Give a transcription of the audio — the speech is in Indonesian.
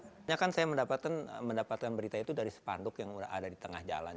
sebenarnya kan saya mendapatkan berita itu dari sepanduk yang ada di tengah jalan